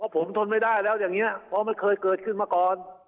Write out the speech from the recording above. ผมทนไม่ได้แล้วอย่างนี้เพราะไม่เคยเกิดขึ้นมาก่อน